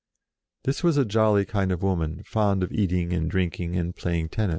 This was a jolly kind of woman, fond of eating and drinking and playing tennis.